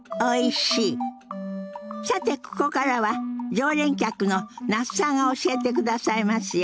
さてここからは常連客の那須さんが教えてくださいますよ。